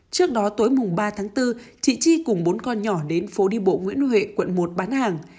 trước đó tối mùng ba tháng bốn chị chi cùng bốn con nhỏ đến phố đi bộ nguyễn huệ quận một bán hàng